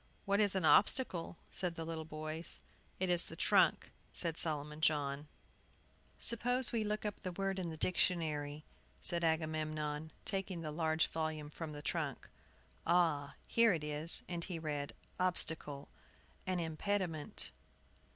"What is an obstacle?" asked the little boys. "It is the trunk," said Solomon John. "Suppose we look out the word in the dictionary," said Agamemnon, taking the large volume from the trunk. "Ah, here it is " And he read: "OBSTACLE, an impediment."